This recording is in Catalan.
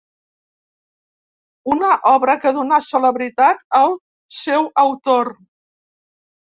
Una obra que donà celebritat al seu autor.